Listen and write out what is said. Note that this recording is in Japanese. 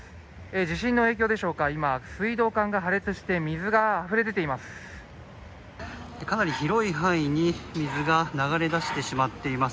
地震の影響でしょうか、今水道管が破裂して、水があふれ出ています。